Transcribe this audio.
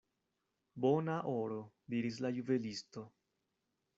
Bona oro, diris la juvelisto.